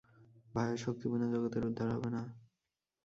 ভায়া, শক্তি বিনা জগতের উদ্ধার হবে না।